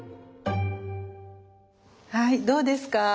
はいどうですか？